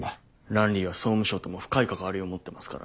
ランリーは総務省とも深い関わりを持ってますからね。